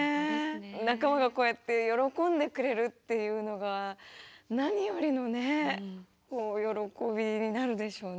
仲間がこうやって喜んでくれるっていうのが何よりのね喜びになるでしょうね。